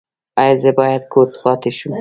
ایا زه باید کور پاتې شم؟